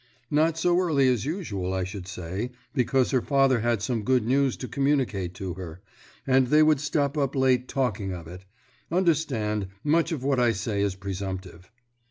"Not so early as usual, I should say, because her father had some good news to communicate to her, and they would stop up late talking of it. Understand, much of what I say is presumptive."